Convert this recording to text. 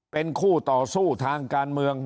เป็นคู่ต่อสู้ทางการเมือง